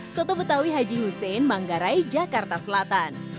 soto betawi haji hussein manggarai jakarta selatan